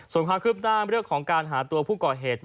ส่วนข้างขึ้นตามเรื่องของการหาตัวผู้ก่อเหตุ